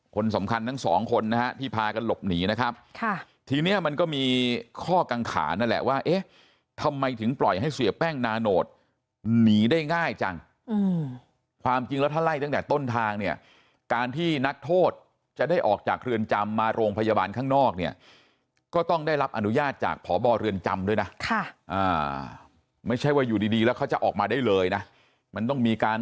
คนสำคัญทั้งสองคนนะฮะที่พากันหลบหนีนะครับค่ะทีนี้มันก็มีข้อกังขานั่นแหละว่าเอ๊ะทำไมถึงปล่อยให้เสียแป้งนาโนตหนีได้ง่ายจังความจริงแล้วถ้าไล่ตั้งแต่ต้นทางเนี่ยการที่นักโทษจะได้ออกจากเรือนจำมาโรงพยาบาลข้างนอกเนี่ยก็ต้องได้รับอนุญาตจากพบเรือนจำด้วยนะไม่ใช่ว่าอยู่ดีแล้วเขาจะออกมาได้เลยนะมันต้องมีการ